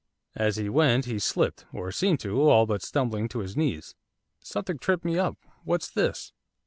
As he went he slipped, or seemed to, all but stumbling on to his knees. 'Something tripped me up, what's this?